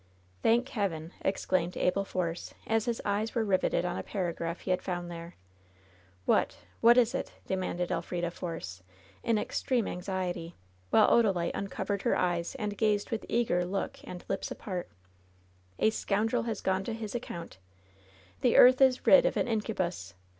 "Thank Heaven !" exclaimed Abel Force, as his eyes were riveted on a paragraph he had found there. "What — ^what is it ?" demanded Elf rida Force, in ex treme anxiety, while Odalite uncovered her eyes, and gazed with eager look and lips apart. "A scoimdrel has gone to his account ! The earth is rid of an incubus